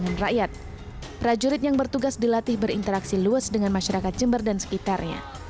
dan rakyat prajurit yang bertugas dilatih berinteraksi luas dengan masyarakat jember dan sekitarnya